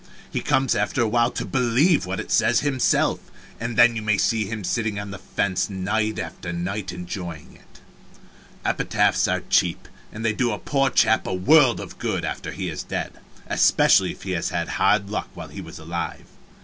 He comes after a while to believe what it says himself, and then you may see him sitting on the fence night after night enjoying it. Epitaphs are cheap, and they do a poor chap a world of good after he is dead, especially if he had hard luck while he was alive.